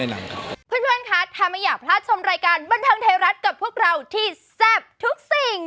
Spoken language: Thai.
เพื่อนคะถ้าไม่อยากพลาดชมรายการบันเทิงไทยรัฐกับพวกเราที่แซ่บทุกสิ่ง